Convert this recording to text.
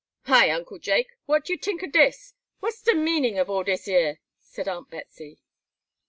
"Hi, Uncle Jake, what you tink o' dis? what's de meanin' of all dis yer?" said Aunt Betsey.